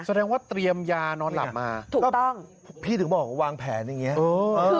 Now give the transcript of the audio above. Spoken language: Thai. แสดงว่าเตรียมยานอนหลับมาพี่ถึงบอกว่าวางแผนอย่างนี้เออเออ